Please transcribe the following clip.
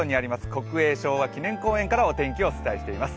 国営昭和記念公園からお天気をお伝えしています。